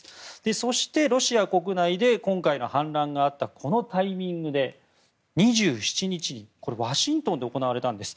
そしてロシア国内で今回の反乱があったこのタイミングで２７日にワシントンで行われたんです。